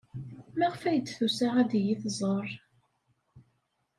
Maɣef ay d-tusa ad iyi-tẓer?